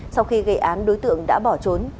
sau khi gây án đối tượng đã bỏ trốn